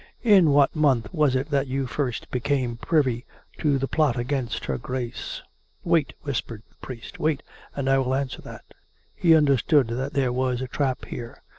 ... In what month was it that you first became privy to the plot against her Grace .^"" Wait !" whispered the priest. " Wait, and I will answer that." (He understood that there was a trap here.